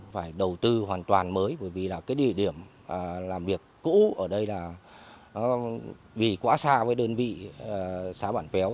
phải đầu tư hoàn toàn mới bởi vì là cái địa điểm làm việc cũ ở đây là vì quá xa với đơn vị xã bản béo